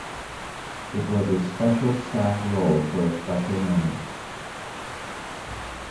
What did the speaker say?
It was a special staff roll for a special moment.